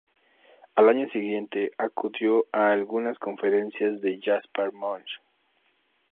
Al año siguiente acudió a algunas conferencias de Gaspard Monge.